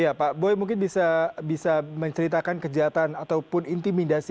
ya pak boy mungkin bisa menceritakan kejahatan ataupun intimidasi